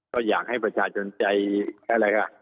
ก็อยากให้ประชาชนใจอะไรก็